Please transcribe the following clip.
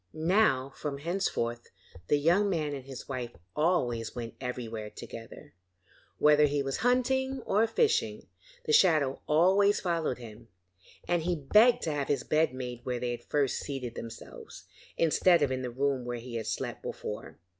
Now from henceforth the young man and his wife always went everywhere together; whether he was hunting or fishing, the shadow always followed him, and he begged to have his bed made where they had first seated themselves, instead of in the room where he had slept before.